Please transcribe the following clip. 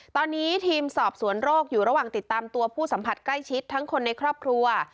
ตอนนี้ทีมสอบสวนโรคอยู่ระหว่างติดตามตัวผู้สัมผัสใกล้ชิดทั้งคนในครอบครัว